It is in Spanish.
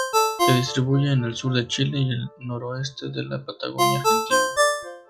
Se distribuye en el sur de Chile y el noroeste de la Patagonia argentina.